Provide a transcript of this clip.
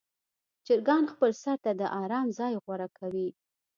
چرګان خپل سر ته د آرام ځای غوره کوي.